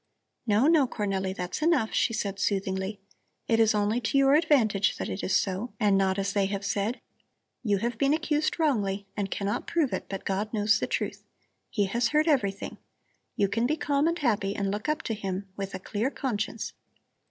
"No, no, Cornelli, that's enough," she said soothingly. "It is only to your advantage that it is so and not as they have said. You have been accused wrongly and cannot prove it, but God knows the truth. He has heard everything. You can be calm and happy and look up to Him with a clear conscience.